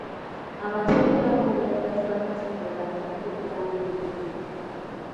Amateeka era gongera ne gatulaga nti tugeraageranye ebigambo ebyo.